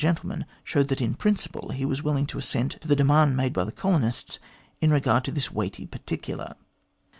gentleman showed that in principle he was willing to assent to the demand made by the colonists in regard to this weighty particular.